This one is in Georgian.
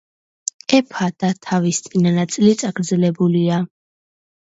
კეფა და თავის წინა ნაწილი წაგრძელებულია.